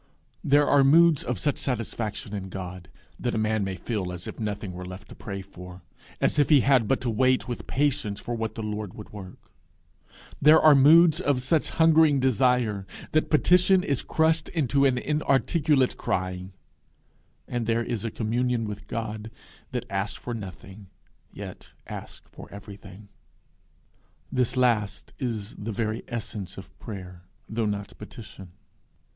There are moods of such satisfaction in God that a man may feel as if nothing were left to pray for, as if he had but to wait with patience for what the Lord would work; there are moods of such hungering desire, that petition is crushed into an inarticulate crying; and there is a communion with God that asks for nothing, yet asks for everything. This last is the very essence of prayer, though not petition.